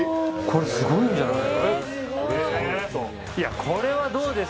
これすごいんじゃない？